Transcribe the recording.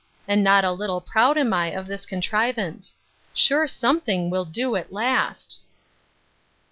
And not a little proud am I of this contrivance. Sure something will do at last!